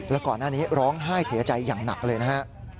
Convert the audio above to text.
แล้วก่อนหน้านี้ร้องไห้เสียใจอย่างหนักเลยนะฮะ